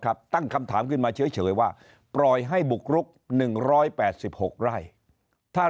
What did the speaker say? ตั้งคำถามขึ้นมาเฉยว่าปล่อยให้บุกรุก๑๘๖ไร่ถ้า